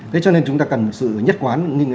thế cho nên chúng ta cần một sự nhất quán